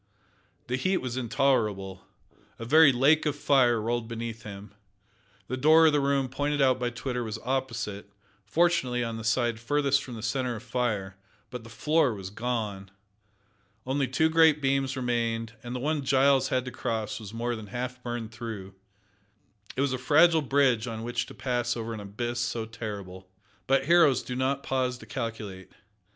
The heat was intolerable. A very lake of fire rolled beneath him. The door of the room pointed out by Twitter was opposite fortunately on the side furthest from the centre of fire, but the floor was gone. Only two great beams remained, and the one Giles had to cross was more than half burned through. It was a fragile bridge on which to pass over an abyss so terrible. But heroes do not pause to calculate.